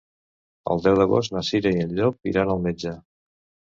El deu d'agost na Cira i en Llop iran al metge.